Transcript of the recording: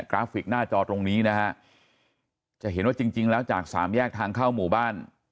ราฟิกหน้าจอตรงนี้นะฮะจะเห็นว่าจริงจริงแล้วจากสามแยกทางเข้าหมู่บ้าน